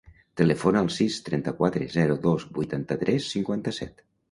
Telefona al sis, trenta-quatre, zero, dos, vuitanta-tres, cinquanta-set.